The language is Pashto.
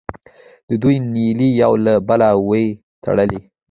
د دوی نیلې یو له بله وې تړلې.